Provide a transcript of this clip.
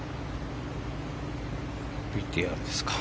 ＶＴＲですか。